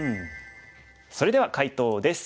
それでは解答です。